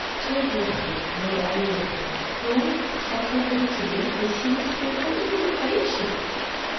Черрерхи, Нури ГӀялиевна, хӀу, шакра хӀерикили, песимистка ретарули хӀерииши?